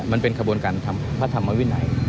มันเป็นขบวนการทำพระธรรมวินัย